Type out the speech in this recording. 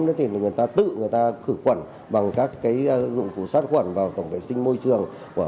người ta tự khử khuẩn bằng các dụng cụ sát khuẩn vào tổng vệ sinh môi trường